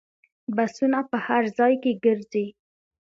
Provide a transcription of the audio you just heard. بسونه په هر ځای کې ګرځي.